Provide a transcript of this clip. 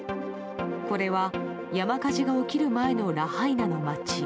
これは山火事が起きる前のラハイナの街。